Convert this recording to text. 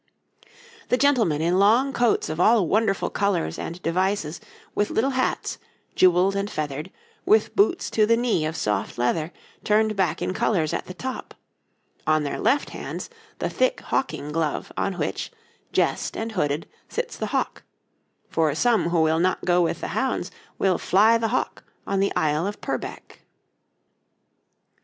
The gentlemen, in long coats of all wonderful colours and devices, with little hats, jewelled and feathered, with boots to the knee of soft leather, turned back in colours at the top; on their left hands the thick hawking glove on which, jessed and hooded, sits the hawk for some who will not go with the hounds will fly the hawk on the Isle of Purbeck.